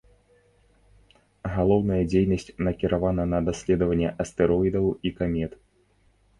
Галоўная дзейнасць накіравана на даследаванне астэроідаў і камет.